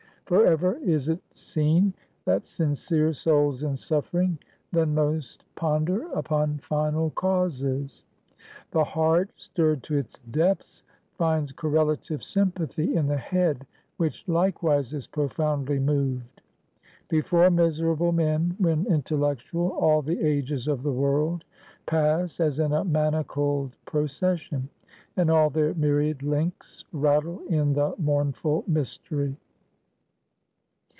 For ever is it seen, that sincere souls in suffering, then most ponder upon final causes. The heart, stirred to its depths, finds correlative sympathy in the head, which likewise is profoundly moved. Before miserable men, when intellectual, all the ages of the world pass as in a manacled procession, and all their myriad links rattle in the mournful mystery.